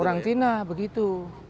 orang cina begitu